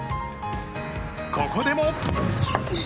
ここでも。